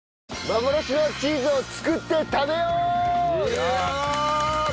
幻のチーズを作って食べよう！